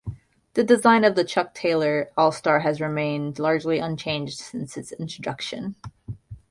The design of the Chuck Taylor All-Star has remained largely unchanged since its introduction.